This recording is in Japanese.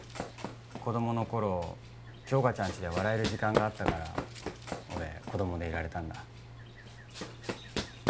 子供の頃杏花ちゃんちで笑える時間があったから俺子供でいられたんだ